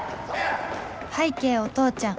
拝啓お父ちゃん